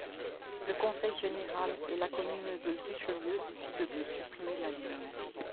Le Conseil Général et la Commune de Richelieu décident de supprimer la ligne.